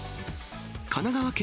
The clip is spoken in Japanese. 神奈川県